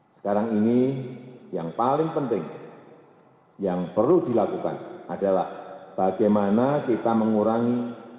sekarang ini yang paling penting yang perlu dilakukan adalah bagaimana kita mengurangi